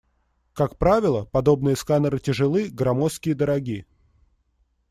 Как правило, подобные сканеры тяжелы, громоздки и дороги.